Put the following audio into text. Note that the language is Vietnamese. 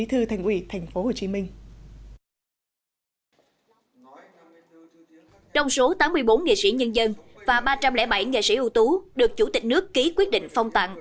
trong số tám mươi bốn nghệ sĩ nhân dân và ba trăm linh bảy nghệ sĩ ưu tú được chủ tịch nước ký quyết định phong tặng